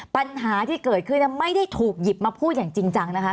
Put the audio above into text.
ปัญหาที่เกิดขึ้นไม่ได้ถูกหยิบมาพูดอย่างจริงจังนะคะ